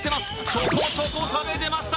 ちょこちょこ食べていました。